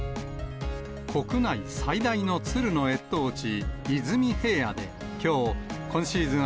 国内最大のツルの越冬地、出水平野で、きょう、今シーズン